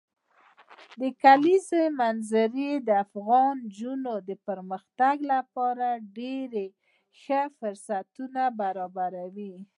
د کلیزو منظره د افغان نجونو د پرمختګ لپاره ډېر ښه فرصتونه برابروي.